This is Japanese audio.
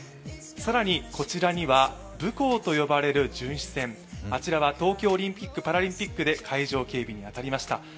更にこちらには「ぶこう」と呼ばれる巡視船、あちらは東京オリンピック・パラリンピックで海上警備に当たりました。